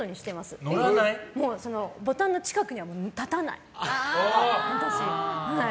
私はもうボタンの近くには立たない。